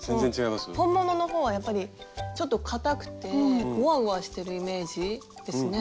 本物の方はやっぱりちょっとかたくてゴワゴワしてるイメージですね。